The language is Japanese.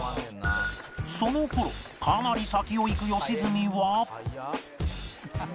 その頃かなり先を行く良純は